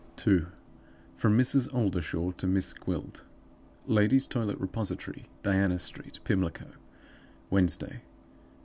2. From Mrs. Oldershaw to Miss Gwilt. "Ladies' Toilet Repository, Diana Street, Pimlico, "Wednesday.